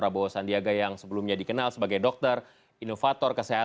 banyak laganya dan banyak nipunya